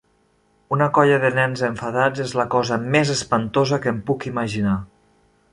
Una colla de nens enfadats és la cosa més espantosa que em puc imaginar.